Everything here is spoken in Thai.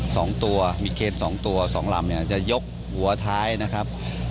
สองตัวมีเคนสองตัวสองลำเนี่ยจะยกหัวท้ายนะครับ